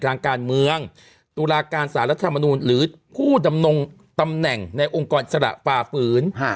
ทางการเมืองตุลาการสารรัฐมนูลหรือผู้ดำรงตำแหน่งในองค์กรอิสระฝ่าฝืน